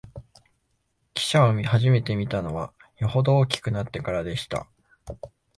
汽車をはじめて見たのは、よほど大きくなってからでした